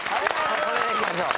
これでいきましょう。